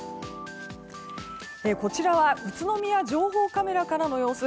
こちらは宇都宮情報カメラからの様子。